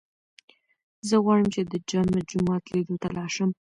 زه غواړم چې د جامع جومات لیدو ته لاړ شم.